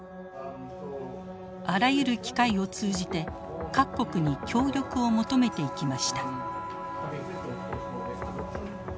あらゆる機会を通じて各国に協力を求めていきました。